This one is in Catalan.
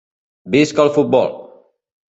Visca el futbol!